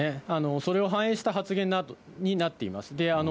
それを反映した発言になっています。